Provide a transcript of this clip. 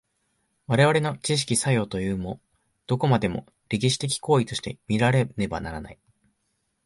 我々の知識作用というも、どこまでも歴史的行為として見られねばならない。